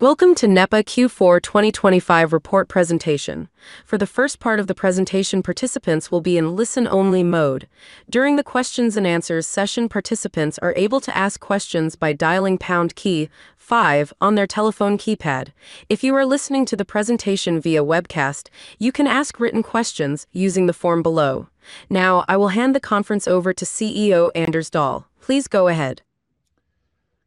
Welcome to Nepa Q4 2025 report presentation. For the first part of the presentation, participants will be in listen-only mode. During the questions and answers session, participants are able to ask questions by dialing pound key 5 on their telephone keypad. If you are listening to the presentation via webcast, you can ask written questions using the form below. Now, I will hand the conference over to CEO Anders Dahl. Please go ahead.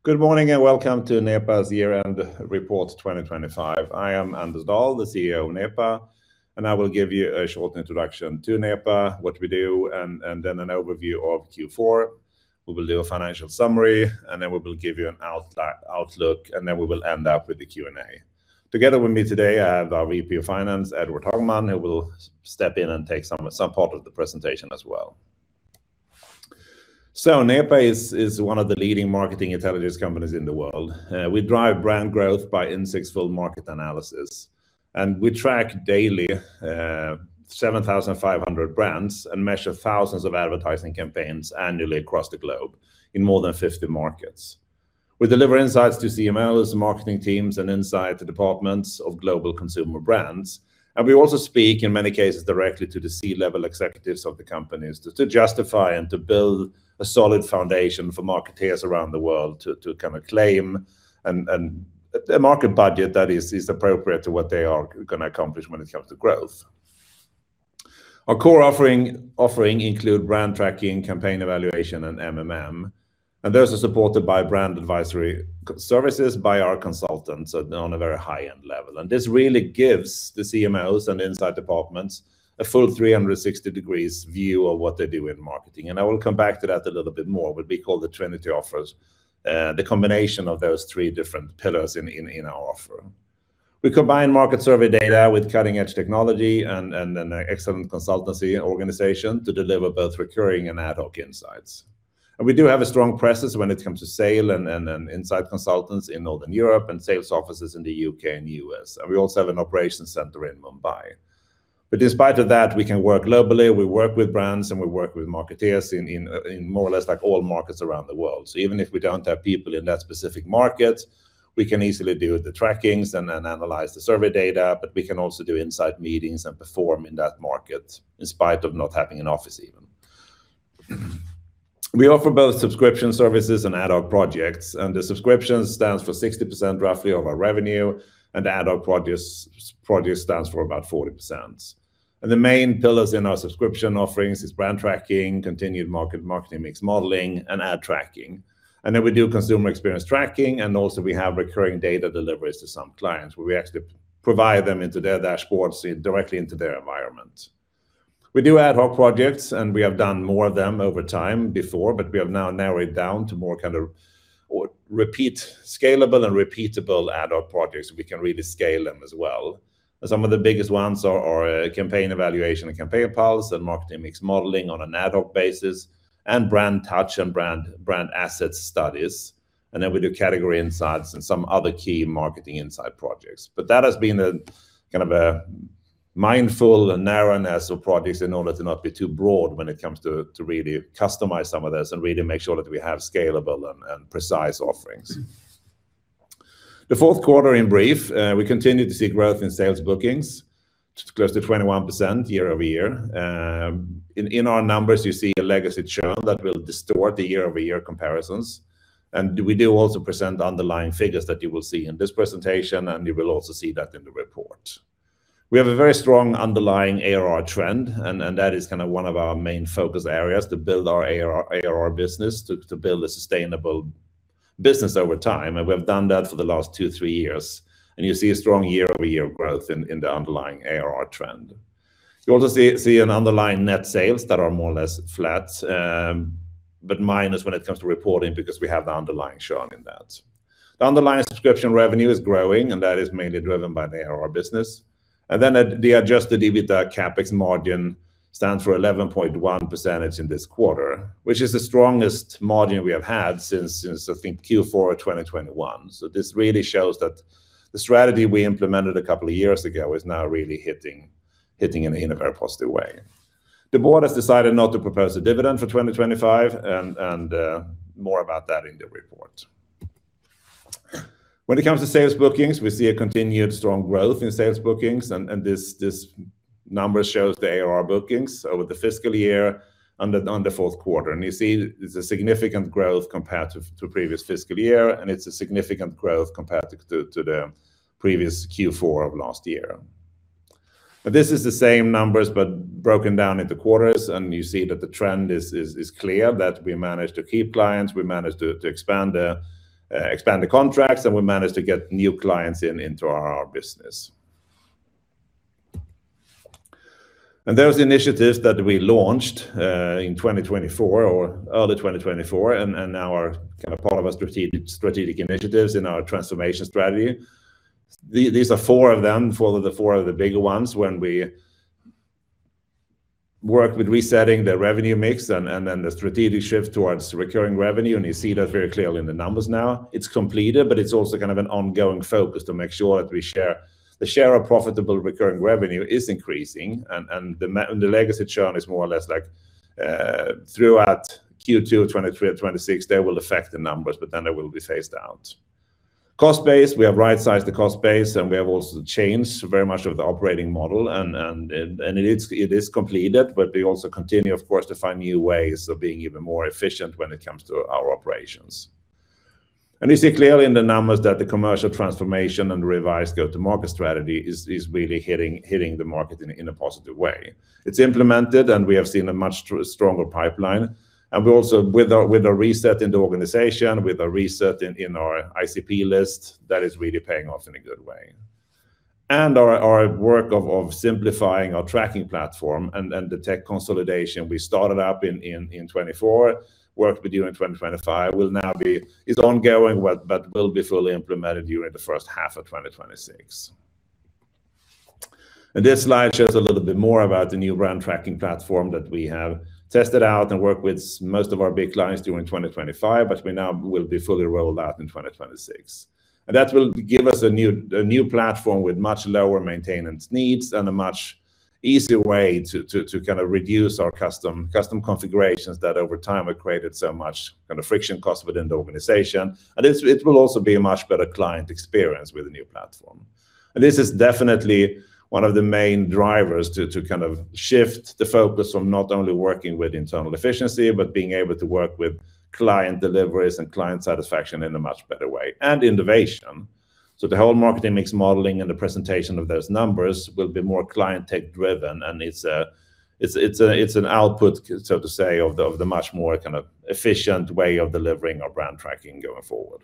Good morning, and welcome to Nepa's year-end report 2025. I am Anders Dahl, the CEO of Nepa, and I will give you a short introduction to Nepa, what we do, and then an overview of Q4. We will do a financial summary, and then we will give you an outlook, and then we will end up with the Q&A. Together with me today, I have our VP of Finance, Edvard Hagman, who will step in and take some part of the presentation as well. Nepa is one of the leading marketing intelligence companies in the world. We drive brand growth by insights-filled market analysis, and we track daily 7,500 brands and measure thousands of advertising campaigns annually across the globe in more than 50 markets. We deliver insights to CMOs, marketing teams, and insight departments of global consumer brands. We also speak, in many cases, directly to the C-level executives of the companies to justify and to build a solid foundation for marketeers around the world to claim and a market budget that is appropriate to what they are gonna accomplish when it comes to growth. Our core offering include brand tracking, campaign evaluation, and MMM, and those are supported by brand advisory services by our consultants, so on a very high-end level. This really gives the CMOs and inside departments a full 360 degrees view of what they do in marketing, and I will come back to that a little bit more, what we call the Trinity offers, the combination of those three different pillars in our offer. We combine market survey data with cutting-edge technology and an excellent consultancy organization to deliver both recurring and ad hoc insights. We do have a strong presence when it comes to sales and insight consultants in Northern Europe and sales offices in the U.K. and U.S., and we also have an operation center in Mumbai. Despite of that, we can work globally. We work with brands, and we work with marketeers in more or less like all markets around the world. Even if we don't have people in that specific market, we can easily do the trackings and then analyze the survey data, but we can also do insight meetings and perform in that market, in spite of not having an office even. We offer both subscription services and ad hoc projects, and the subscriptions stands for 60%, roughly, of our revenue, and the ad hoc projects stands for about 40%. The main pillars in our subscription offerings is Brand Tracking, continuous Marketing Mix Modeling, and Ad Tracking. Then we do Consumer Experience Tracking, and also we have recurring data deliveries to some clients, where we actually provide them into their dashboards, directly into their environment. We do ad hoc projects, and we have done more of them over time before, but we have now narrowed it down to more kind of repeatable scalable and repeatable ad hoc projects, so we can really scale them as well. Some of the biggest ones are campaign evaluation and Campaign Pulse, and marketing mix modeling on an ad hoc basis, and Brand Touch and Brand Asset studies. And then we do category insights and some other key marketing insight projects. But that has been kind of a mindful and narrowness of projects in order to not be too broad when it comes to really customize some of this and really make sure that we have scalable and precise offerings. The Q4, in brief, we continued to see growth in sales bookings, close to 21% year-over-year. In our numbers, you see a legacy churn that will distort the year-over-year comparisons, and we do also present underlying figures that you will see in this presentation, and you will also see that in the report. We have a very strong underlying ARR trend, and that is kinda one of our main focus areas, to build our ARR business, to build a sustainable business over time, and we've done that for the last 2, 3 years. You see a strong year-over-year growth in the underlying ARR trend. You also see an underlying net sales that are more or less flat, but minus when it comes to reporting, because we have the underlying churn in that. The underlying subscription revenue is growing, and that is mainly driven by the ARR business. Then the Adjusted EBITDA less CapEx margin stands for 11.1% in this quarter, which is the strongest margin we have had since, I think, Q4 of 2021. So this really shows that the strategy we implemented a couple of years ago is now really hitting in a very positive way. The board has decided not to propose a dividend for 2025, and more about that in the report. When it comes to sales bookings, we see a continued strong growth in sales bookings, and this number shows the ARR bookings over the fiscal year and on the Q4. You see there's a significant growth comparative to previous fiscal year, and it's a significant growth comparative to the previous Q4 of last year. But this is the same numbers, but broken down into quarters, and you see that the trend is clear, that we managed to keep clients, we managed to expand the contracts, and we managed to get new clients into our business. And those initiatives that we launched in 2024 or early 2024 and now are kind of part of our strategic initiatives in our transformation strategy. These are four of them, four of the four of the bigger ones when we work with resetting the revenue mix and then the strategic shift towards recurring revenue, and you see that very clearly in the numbers now. It's completed, but it's also kind of an ongoing focus to make sure that we share... The share of profitable recurring revenue is increasing, and the legacy churn is more or less like throughout Q2 2023 to 2026, they will affect the numbers, but then they will be phased out. Cost base, we have right-sized the cost base, and we have also changed very much of the operating model. It is completed, but we also continue, of course, to find new ways of being even more efficient when it comes to our operations. We see clearly in the numbers that the commercial transformation and revised go-to-market strategy is really hitting the market in a positive way. It's implemented, and we have seen a much stronger pipeline. We also, with a reset in the organization, with a reset in our ICP list, that is really paying off in a good way. And our work of simplifying our tracking platform and the tech consolidation we started up in 2024, work with you in 2025, is ongoing, but will be fully implemented during the first half of 2026. This slide shows a little bit more about the new brand tracking platform that we have tested out and worked with most of our big clients during 2025, but we now will be fully rolled out in 2026. That will give us a new, a new platform with much lower maintenance needs and a much easier way to, to kind of reduce our custom, custom configurations that over time have created so much kind of friction cost within the organization. It's, it will also be a much better client experience with the new platform. This is definitely one of the main drivers to, to kind of shift the focus from not only working with internal efficiency, but being able to work with client deliveries and client satisfaction in a much better way, and innovation. The whole marketing mix modeling and the presentation of those numbers will be more client-tech driven, and it's a, it's, it's a, it's an output, so to say, of the, of the much more kind of efficient way of delivering our brand tracking going forward.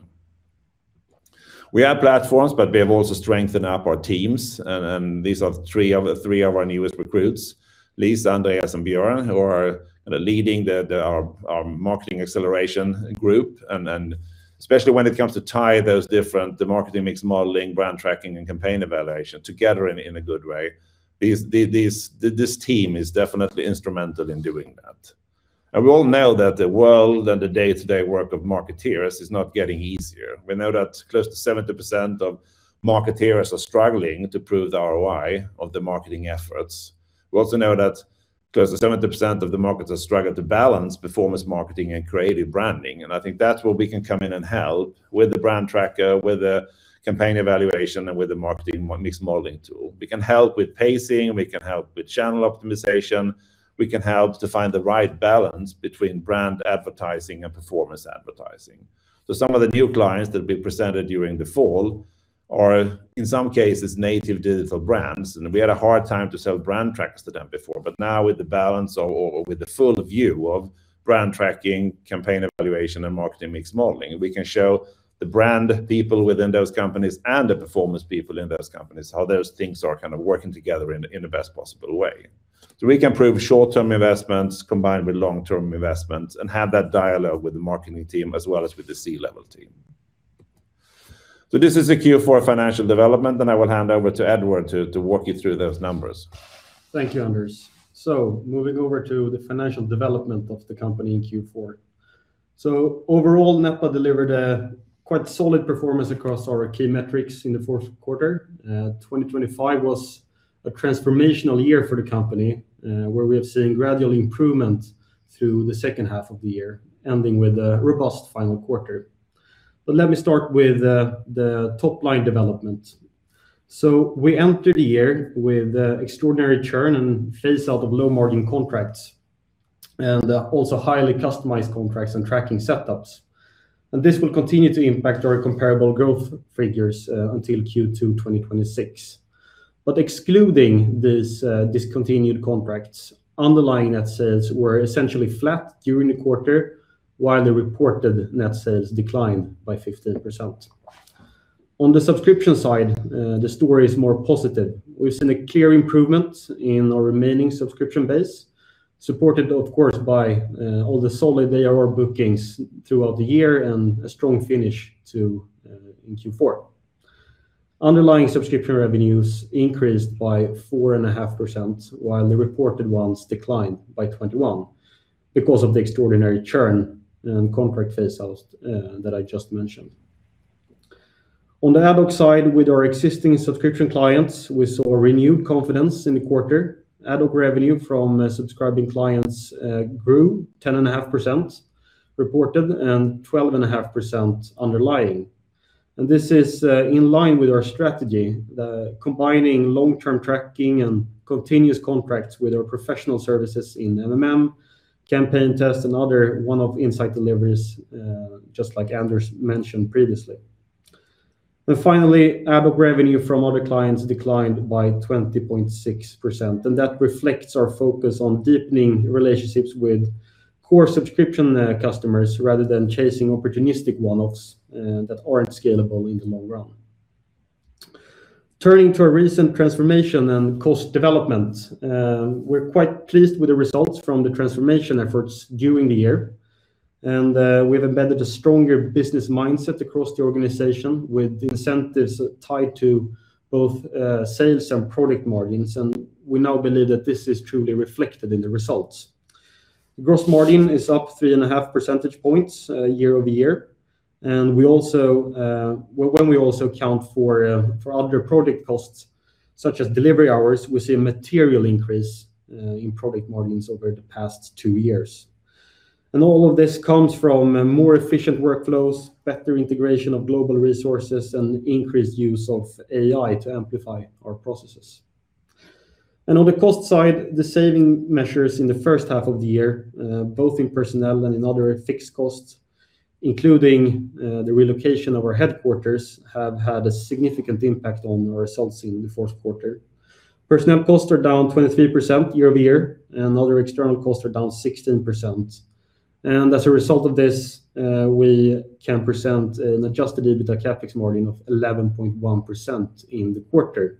We have platforms, but we have also strengthened up our teams, and these are three of our newest recruits, Lisa, Andreas, and Björn, who are kind of leading our Marketing Acceleration Group. And especially when it comes to tie those different Marketing Mix Modeling, Brand Tracking, and Campaign Evaluation together in a good way, this team is definitely instrumental in doing that. We all know that the world and the day-to-day work of marketers is not getting easier. We know that close to 70% of marketers are struggling to prove the ROI of their marketing efforts. We also know that close to 70% of the marketers struggle to balance performance marketing and creative branding, and I think that's where we can come in and help with the brand tracker, with the campaign evaluation, and with the marketing mix modeling tool. We can help with pacing, we can help with channel optimization, we can help to find the right balance between brand advertising and performance advertising. Some of the new clients that we presented during the fall are, in some cases, native digital brands, and we had a hard time to sell brand tracks to them before. But now, with the balance or with the full view of brand tracking, campaign evaluation, and marketing mix modeling, we can show the brand people within those companies and the performance people in those companies, how those things are kind of working together in the best possible way. So we can prove short-term investments combined with long-term investments and have that dialogue with the marketing team, as well as with the C-level team. So this is the Q4 financial development, and I will hand over to Edvard to walk you through those numbers. Thank you, Anders. So moving over to the financial development of the company in Q4. So overall, Nepa delivered a quite solid performance across our key metrics in the Q4. 2025 was a transformational year for the company, where we have seen gradual improvement through the second half of the year, ending with a robust final quarter. But let me start with the top-line development. So we entered the year with extraordinary churn and phase out of low-margin contracts, and also highly customized contracts and tracking setups. And this will continue to impact our comparable growth figures until Q2 2026. But excluding these discontinued contracts, underlying net sales were essentially flat during the quarter, while the reported net sales declined by 15%. On the subscription side, the story is more positive. We've seen a clear improvement in our remaining subscription base, supported, of course, by all the solid ARR bookings throughout the year and a strong finish to in Q4. Underlying subscription revenues increased by 4.5%, while the reported ones declined by 21% because of the extraordinary churn and contract phase outs that I just mentioned. On the add-on side, with our existing subscription clients, we saw renewed confidence in the quarter. Add-on revenue from subscribing clients grew 10.5% reported and 12.5% underlying. This is in line with our strategy, combining long-term tracking and continuous contracts with our professional services in MMM, campaign test, and other one-off insight deliveries, just like Anders mentioned previously. Finally, add-on revenue from other clients declined by 20.6%, and that reflects our focus on deepening relationships with core subscription customers, rather than chasing opportunistic one-offs that aren't scalable in the long run. Turning to our recent transformation and cost development, we're quite pleased with the results from the transformation efforts during the year. We've embedded a stronger business mindset across the organization, with incentives tied to both sales and product margins, and we now believe that this is truly reflected in the results. The gross margin is up 3.5 percentage points year-over-year, and we also account for other product costs such as delivery hours, we see a material increase in product margins over the past 2 years. All of this comes from more efficient workflows, better integration of global resources, and increased use of AI to amplify our processes. On the cost side, the saving measures in the first half of the year, both in personnel and in other fixed costs, including the relocation of our headquarters, have had a significant impact on our results in the Q4. Personnel costs are down 23% year-over-year, and other external costs are down 16%. As a result of this, we can present an Adjusted EBITDA CapEx margin of 11.1% in the quarter.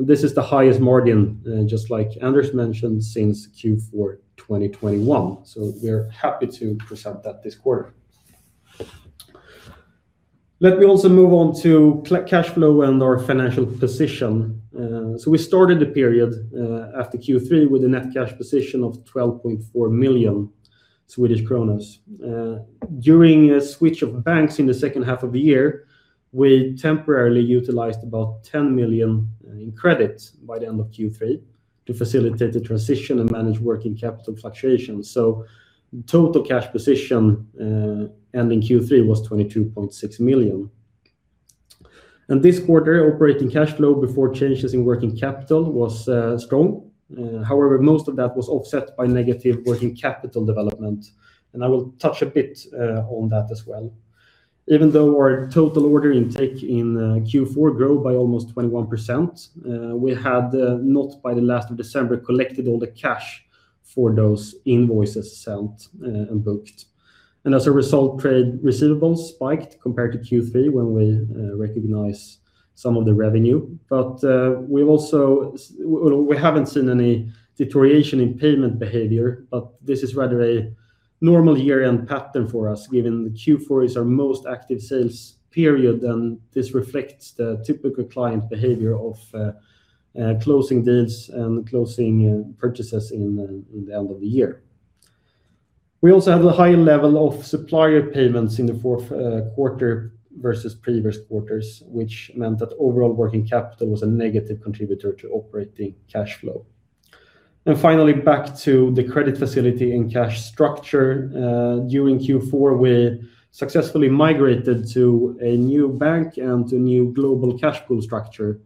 This is the highest margin, just like Anders mentioned, since Q4 2021, so we're happy to present that this quarter. Let me also move on to cash flow and our financial position. So we started the period after Q3 with a net cash position of 12.4 million Swedish kronor. During a switch of banks in the second half of the year, we temporarily utilized about 10 million in credit by the end of Q3 to facilitate the transition and manage working capital fluctuations. So total cash position ending Q3 was 22.6 million. And this quarter, operating cash flow before changes in working capital was strong. However, most of that was offset by negative working capital development, and I will touch a bit on that as well. Even though our total order intake in Q4 grew by almost 21%, we had not by the last of December collected all the cash for those invoices sent and booked. As a result, trade receivables spiked compared to Q3, when we recognized some of the revenue. We've also not seen any deterioration in payment behavior; this is rather a normal year-end pattern for us, given that Q4 is our most active sales period, and this reflects the typical client behavior of closing deals and closing purchases in the end of the year. We also had a high level of supplier payments in the Q4 versus previous quarters, which meant that overall working capital was a negative contributor to operating cash flow. Finally, back to the credit facility and cash structure. During Q4, we successfully migrated to a new bank and a new global cash pool structure,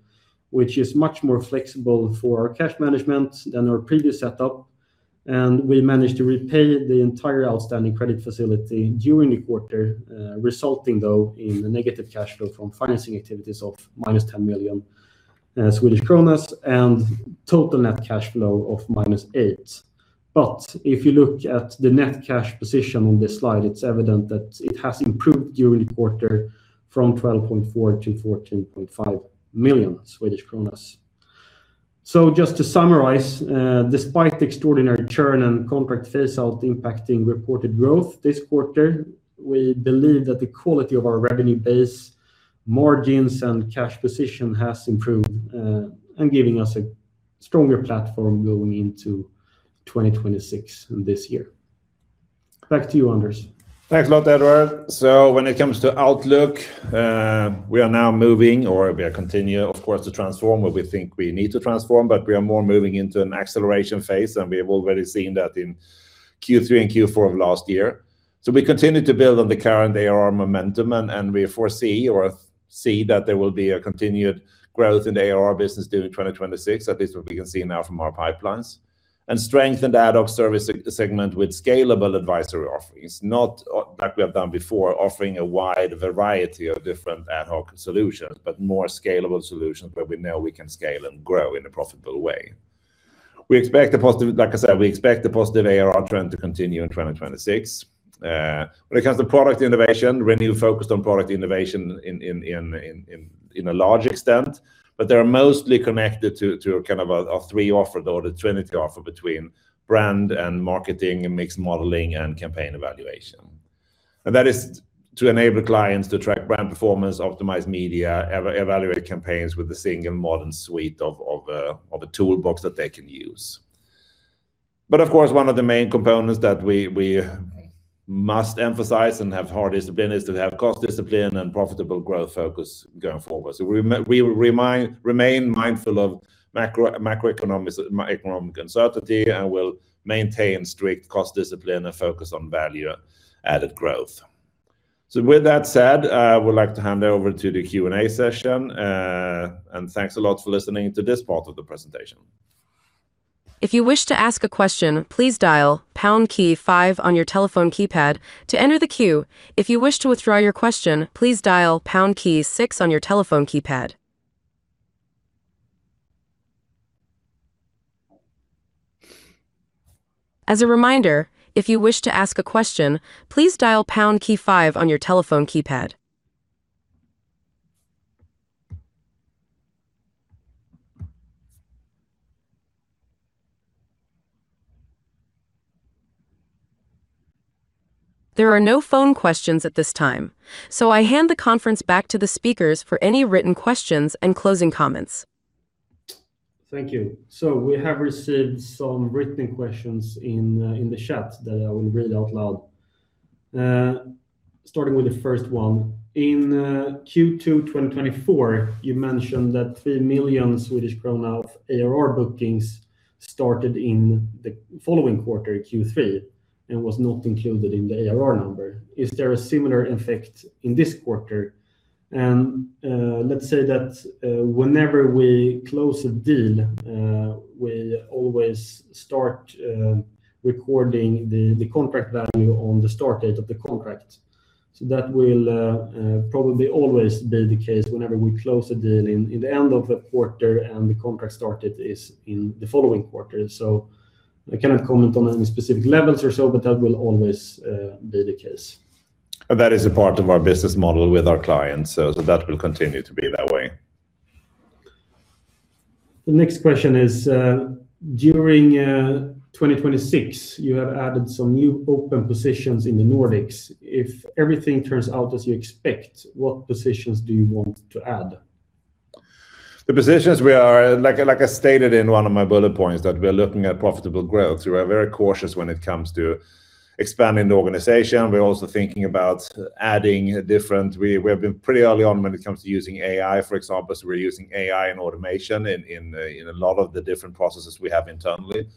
which is much more flexible for our cash management than our previous setup. We managed to repay the entire outstanding credit facility during the quarter, resulting in a negative cash flow from financing activities of 10 million Swedish kronor, and total net cash flow of 8 million negative. If you look at the net cash position on this slide, it's evident that it has improved during the quarter from 12.4 million to 14.5 million Swedish kronor. Just to summarize, despite the extraordinary churn and contract phaseout impacting reported growth this quarter, we believe that the quality of our revenue base, margins, and cash position has improved, giving us a stronger platform going into 2026, in this year. Back to you, Anders. Thanks a lot, Edvard. When it comes to outlook, we are now moving, or we continue, of course, to transform where we think we need to transform, but we are more moving into an acceleration phase, and we have already seen that in Q3 and Q4 of last year. We continue to build on the current ARR momentum, and we foresee or see that there will be a continued growth in ARR business during 2026, at least what we can see now from our pipelines. And strengthened ad hoc service segment with scalable advisory offerings, not like we have done before, offering a wide variety of different ad hoc solutions, but more scalable solutions where we know we can scale and grow in a profitable way. We expect the positive—like I said, we expect the positive ARR trend to continue in 2026. When it comes to product innovation, Nepa focused on product innovation in a large extent, but they are mostly connected to kind of a three offer or the Trinity offer between brand and marketing and mix modeling and campaign evaluation. And that is to enable clients to track brand performance, optimize media, evaluate campaigns with a single modern suite of a toolbox that they can use. But of course, one of the main components that we must emphasize and have hard discipline is to have cost discipline and profitable growth focus going forward. So we remain mindful of macroeconomic uncertainty, and we'll maintain strict cost discipline and focus on value-added growth. So with that said, I would like to hand over to the Q&A session, and thanks a lot for listening to this part of the presentation. If you wish to ask a question, please dial pound key five on your telephone keypad to enter the queue. If you wish to withdraw your question, please dial pound key six on your telephone keypad. As a reminder, if you wish to ask a question, please dial pound key five on your telephone keypad. There are no phone questions at this time, so I hand the conference back to the speakers for any written questions and closing comments.... Thank you. So we have received some written questions in, in the chat that I will read out loud. Starting with the first one. In, Q2 2024, you mentioned that 3 million Swedish krona of ARR bookings started in the following quarter, Q3, and was not included in the ARR number. Is there a similar effect in this quarter? And, let's say that, whenever we close a deal, we always start recording the contract value on the start date of the contract. So that will, probably always be the case whenever we close a deal in, in the end of the quarter, and the contract started is in the following quarter. So I cannot comment on any specific levels or so, but that will always, be the case. That is a part of our business model with our clients, so that will continue to be that way. The next question is, during 2026, you have added some new open positions in the Nordics. If everything turns out as you expect, what positions do you want to add? The positions we are, like I stated in one of my bullet points, that we're looking at profitable growth. We are very cautious when it comes to expanding the organization. We're also thinking about adding different... We have been pretty early on when it comes to using AI, for example. So we're using AI and automation in a lot of the different processes we have internally.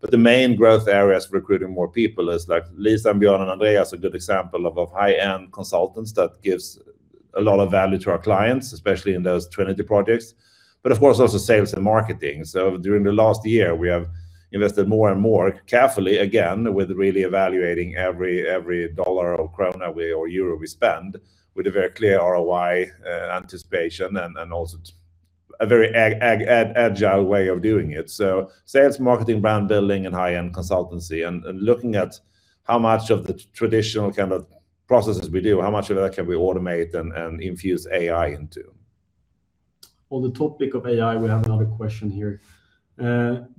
The main growth areas, recruiting more people, is like Lisa, Björn, and Andreas, a good example of high-end consultants that gives a lot of value to our clients, especially in those Trinity projects, but of course, also sales and marketing. So during the last year, we have invested more and more carefully, again, with really evaluating every dollar or krona or euro we spend, with a very clear ROI anticipation, and also a very agile way of doing it. So sales, marketing, brand building, and high-end consultancy, and looking at how much of the traditional kind of processes we do, how much of that can we automate and infuse AI into? On the topic of AI, we have another question here.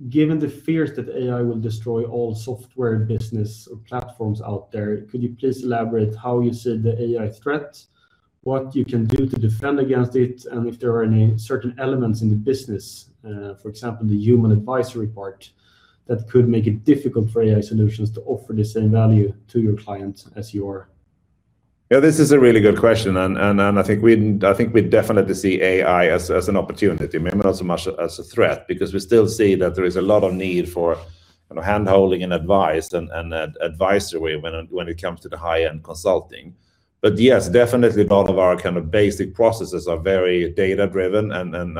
Given the fears that AI will destroy all software business or platforms out there, could you please elaborate how you see the AI threat, what you can do to defend against it, and if there are any certain elements in the business, for example, the human advisory part, that could make it difficult for AI solutions to offer the same value to your clients as you are? Yeah, this is a really good question, and I think we definitely see AI as an opportunity, maybe not so much as a threat, because we still see that there is a lot of need for handholding and advice, and advisory when it comes to the high-end consulting. But yes, definitely, a lot of our kind of basic processes are very data-driven and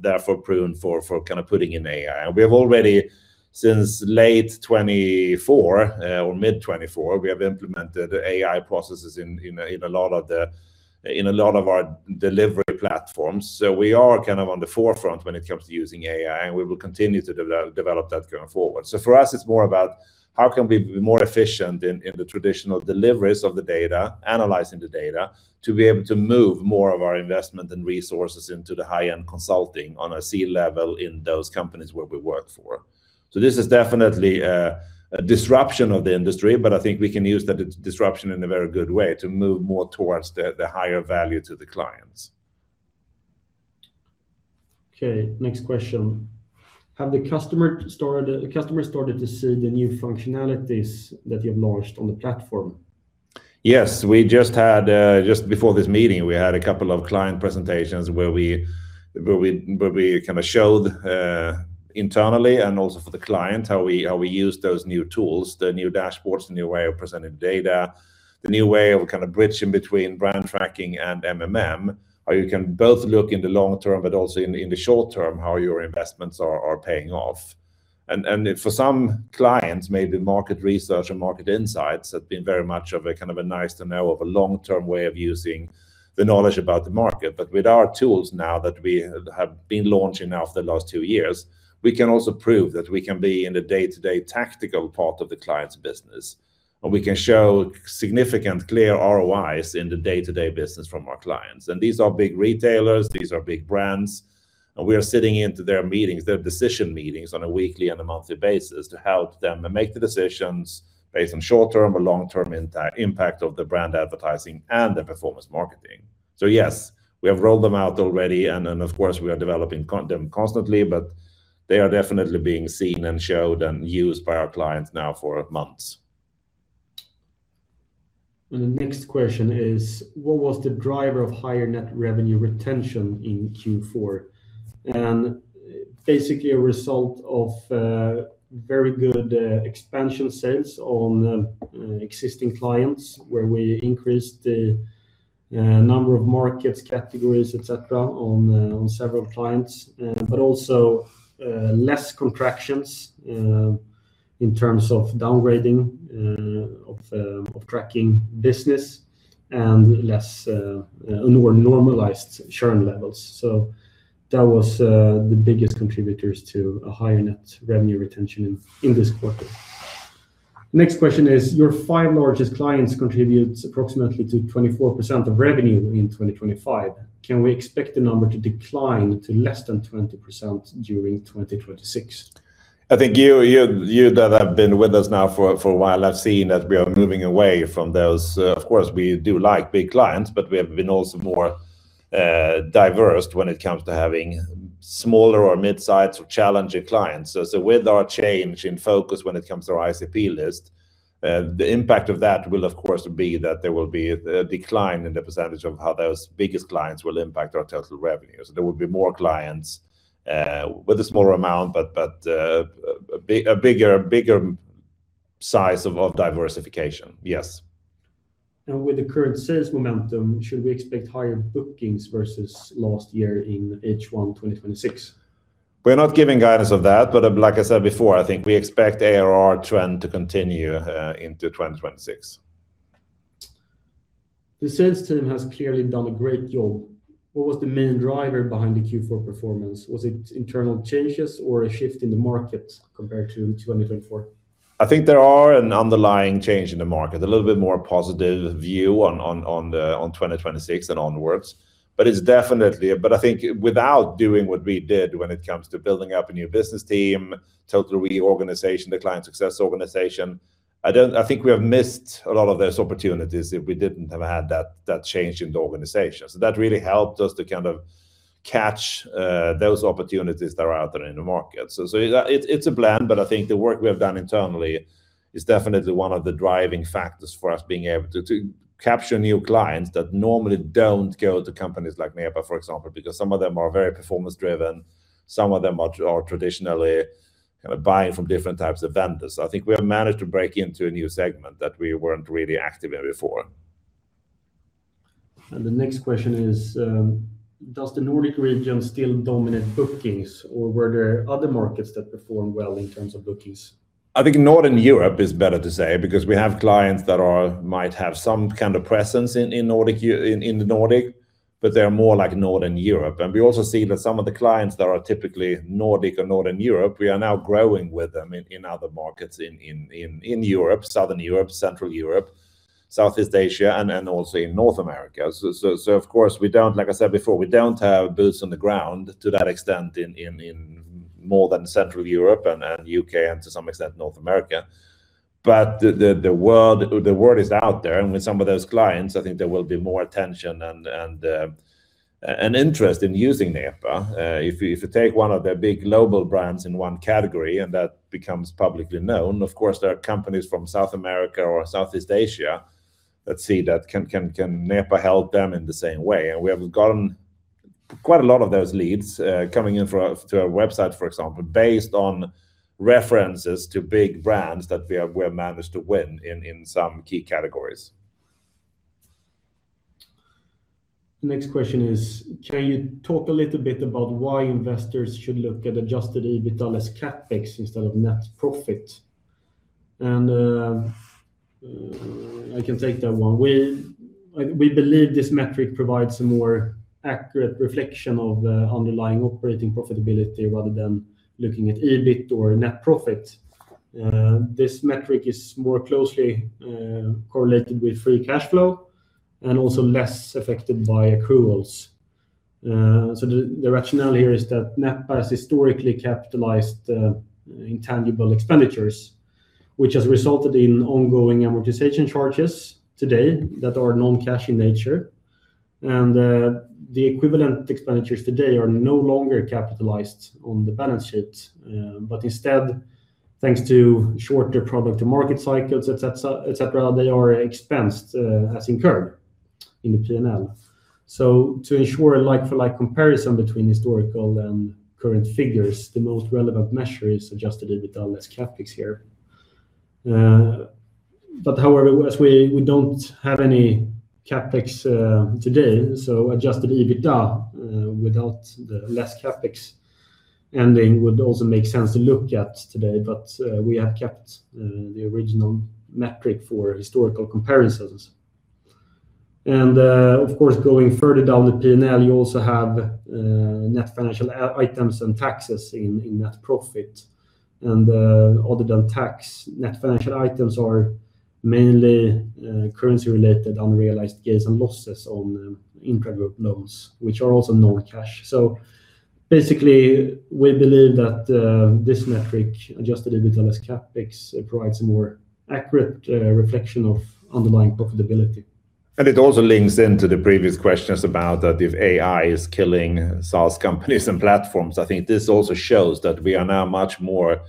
therefore prone for kind of putting in AI. And we have already, since late 2024 or mid-2024, we have implemented AI processes in a lot of our delivery platforms. So we are kind of on the forefront when it comes to using AI, and we will continue to develop that going forward. For us, it's more about how can we be more efficient in the traditional deliveries of the data, analyzing the data, to be able to move more of our investment and resources into the high-end consulting on a C-level in those companies where we work for. This is definitely a disruption of the industry, but I think we can use that disruption in a very good way to move more towards the higher value to the clients. Okay, next question. Have customers started to see the new functionalities that you've launched on the platform? Yes. We just had, just before this meeting, we had a couple of client presentations where we, where we, where we kinda showed, internally and also for the client, how we use those new tools, the new dashboards, the new way of presenting data, the new way of kind of bridging between brand tracking and MMM. How you can both look in the long term, but also in the short term, how your investments are paying off. For some clients, maybe market research and market insights have been very much of a kind of a nice to know, of a long-term way of using the knowledge about the market. With our tools now that we have been launching now for the last two years, we can also prove that we can be in the day-to-day tactical part of the client's business, and we can show significant, clear ROIs in the day-to-day business from our clients. These are big retailers, these are big brands, and we are sitting into their meetings, their decision meetings, on a weekly and a monthly basis to help them make the decisions based on short-term or long-term impact, impact of the brand advertising and the performance marketing. Yes, we have rolled them out already, and then, of course, we are developing them constantly, but they are definitely being seen and showed and used by our clients now for months. The next question is: What was the driver of higher net revenue retention in Q4? Basically, a result of very good expansion sales on existing clients, where we increased the number of markets, categories, et cetera, on several clients, but also less contractions in terms of downgrading of tracking business, and less more normalized churn levels. So that was the biggest contributors to a higher Net Revenue Retention in this quarter. Next question is, your five largest clients contributes approximately to 24% of revenue in 2025. Can we expect the number to decline to less than 20% during 2026? I think you that have been with us now for a while have seen that we are moving away from those. Of course, we do like big clients, but we have been also more diversified when it comes to having smaller or mid-sized or challenging clients. So with our change in focus when it comes to our ICP list, the impact of that will, of course, be that there will be a decline in the percentage of how those biggest clients will impact our total revenues. There will be more clients with a smaller amount, but a bigger size of diversification. Yes. With the current sales momentum, should we expect higher bookings versus last year in H1 2026? We're not giving guidance of that, but like I said before, I think we expect ARR trend to continue into 2026. The sales team has clearly done a great job. What was the main driver behind the Q4 performance? Was it internal changes or a shift in the market compared to 2024? I think there are an underlying change in the market, a little bit more positive view on 2026 and onwards. But I think without doing what we did when it comes to building up a new business team, total reorganization, the client success organization, I think we have missed a lot of those opportunities if we didn't have had that change in the organization. So that really helped us to kind of catch those opportunities that are out there in the market. It's a blend, but I think the work we have done internally is definitely one of the driving factors for us being able to capture new clients that normally don't go to companies like Nepa, for example, because some of them are very performance-driven, some of them are traditionally kind of buying from different types of vendors. I think we have managed to break into a new segment that we weren't really active in before. The next question is, does the Nordic region still dominate bookings, or were there other markets that performed well in terms of bookings? I think Northern Europe is better to say, because we have clients that are, might have some kind of presence in the Nordic, but they are more like Northern Europe. And we also see that some of the clients that are typically Nordic or Northern Europe, we are now growing with them in other markets, in Europe, Southern Europe, Central Europe, Southeast Asia, and also in North America. So of course, we don't, like I said before, have boots on the ground to that extent in more than Central Europe and U.K., and to some extent, North America. But the world, the word is out there, and with some of those clients, I think there will be more attention and an interest in using NEPA. If you take one of the big global brands in one category and that becomes publicly known, of course, there are companies from South America or Southeast Asia that see that can Nepa help them in the same way? And we have gotten quite a lot of those leads coming in through our website, for example, based on references to big brands that we have managed to win in some key categories. Next question is, can you talk a little bit about why investors should look at Adjusted EBITDA as CapEx instead of net profit? And, I can take that one. We believe this metric provides a more accurate reflection of the underlying operating profitability, rather than looking at EBIT or net profit. This metric is more closely correlated with free cash flow and also less affected by accruals. So the rationale here is that Nepa has historically capitalized intangible expenditures, which has resulted in ongoing amortization charges today that are non-cash in nature. And, the equivalent expenditures today are no longer capitalized on the balance sheet, but instead, thanks to shorter product-to-market cycles, et cetera, et cetera, they are expensed as incurred in the PNL. To ensure a like-for-like comparison between historical and current figures, the most relevant measure is Adjusted EBITDA less CapEx here. However, as we don't have any CapEx today, Adjusted EBITDA without the less CapEx ending would also make sense to look at today, but we have kept the original metric for historical comparisons. Of course, going further down the PNL, you also have net financial items and taxes in net profit. Other than tax, net financial items are mainly currency-related, unrealized gains and losses on intragroup loans, which are also non-cash. Basically, we believe that this metric, Adjusted EBITDA less CapEx, provides a more accurate reflection of underlying profitability. It also links into the previous questions about that if AI is killing sales companies and platforms. I think this also shows that we are now much more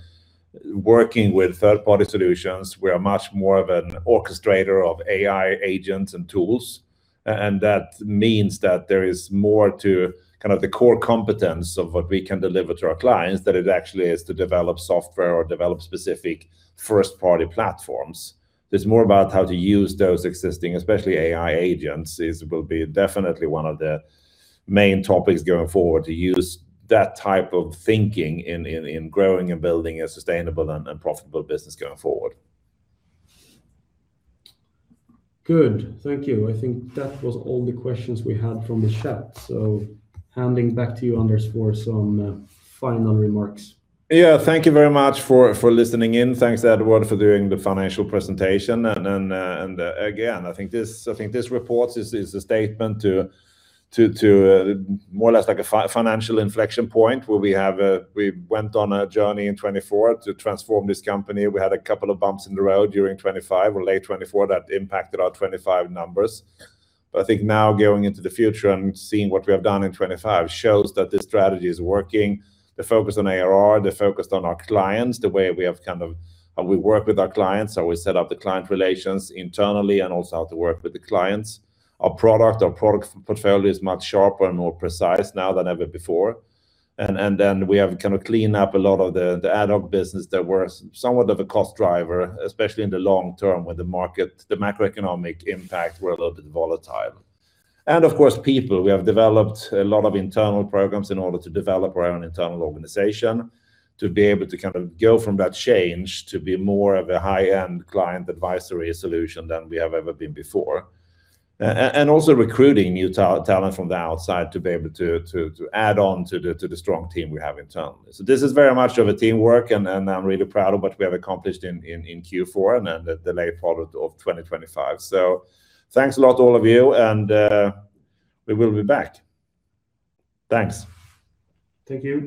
working with third-party solutions. We are much more of an orchestrator of AI agents and tools, and that means that there is more to kind of the core competence of what we can deliver to our clients than it actually is to develop software or develop specific first-party platforms. It's more about how to use those existing, especially AI agents, will be definitely one of the main topics going forward, to use that type of thinking in growing and building a sustainable and profitable business going forward. Good. Thank you. I think that was all the questions we had from the chat, so handing back to you, Anders, for some final remarks. Yeah. Thank you very much for listening in. Thanks, Edvard, for doing the financial presentation. And then, and again, I think this report is a statement to more or less like a financial inflection point, where we went on a journey in 2024 to transform this company. We had a couple of bumps in the road during 2025 or late 2024 that impacted our 2025 numbers. But I think now, going into the future and seeing what we have done in 2025, shows that this strategy is working. The focus on ARR, the focus on our clients, the way we have kind of, how we work with our clients, how we set up the client relations internally, and also how to work with the clients. Our product, our product portfolio is much sharper and more precise now than ever before. We have kind of cleaned up a lot of the ad hoc business that were somewhat of a cost driver, especially in the long term, when the market, the macroeconomic impact were a little bit volatile. Of course, people, we have developed a lot of internal programs in order to develop our own internal organization, to be able to kind of go from that change to be more of a high-end client advisory solution than we have ever been before. Also recruiting new talent from the outside to be able to add on to the strong team we have internally. So this is very much of a teamwork, and I'm really proud of what we have accomplished in Q4 and then the late part of 2025. So thanks a lot, all of you, and we will be back. Thanks. Thank you.